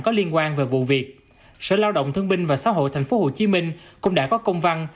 có liên quan về vụ việc sở lao động thương binh và xã hội tp hcm cũng đã có công văn